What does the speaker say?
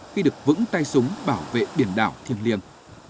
khi được vững tay súng bảo vệ biển đảo thiêng liêng